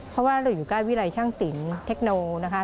เพราะว่าเราอยู่ใกล้วิรัยช่างสินเทคโนนะคะ